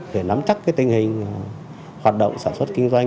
để nắm chắc cái tình hình hoạt động sản xuất kinh doanh